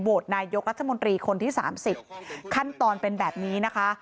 นายกรัฐมนตรีคนที่๓๐ขั้นตอนเป็นแบบนี้นะคะ